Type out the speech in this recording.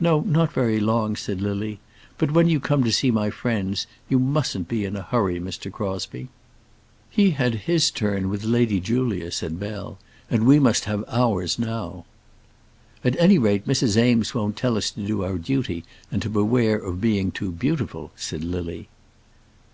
"No, not very long," said Lily. "But when you come to see my friends you mustn't be in a hurry, Mr. Crosbie." "He had his turn with Lady Julia," said Bell, "and we must have ours now." "At any rate, Mrs. Eames won't tell us to do our duty and to beware of being too beautiful," said Lily.